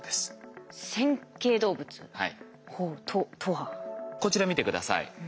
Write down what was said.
こちら見て下さい。